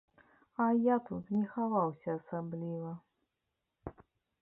А я тут не хаваўся асабліва.